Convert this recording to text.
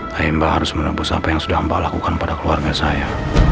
nah mbak harus menembus apa yang sudah mbak lakukan pada keluarga saya